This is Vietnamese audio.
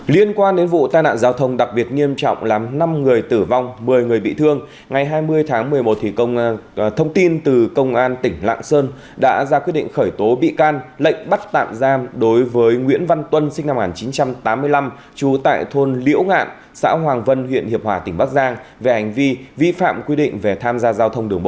liên quan đến vụ tai nạn giao thông đặc biệt nghiêm trọng làm năm người tử vong một mươi người bị thương ngày hai mươi tháng một mươi một thông tin từ công an tỉnh lạng sơn đã ra quyết định khởi tố bị can lệnh bắt tạm giam đối với nguyễn văn tuân sinh năm một nghìn chín trăm tám mươi năm trú tại thôn liễu ngạn xã hoàng vân huyện hiệp hòa tỉnh bắc giang về hành vi vi phạm quy định về tham gia giao thông đường bộ